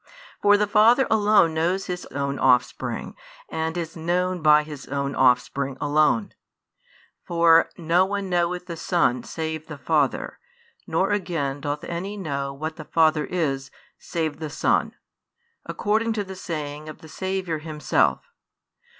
For the Father alone knows His own Offspring, and is known by His own Offspring alone. For no one knoweth the Son, save the Father; nor again doth any know what the Father is, save the Son, according to the saying of the Saviour Himself.